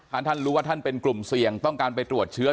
ถ้าท่านรู้ว่าท่านเป็นกลุ่มเสี่ยงต้องการไปตรวจเชื้อ